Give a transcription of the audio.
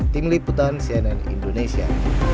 tim liputan cnn indonesia